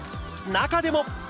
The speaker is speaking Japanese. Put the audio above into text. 中でも。